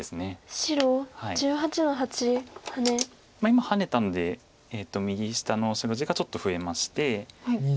今ハネたので右下の白地がちょっと増えまして。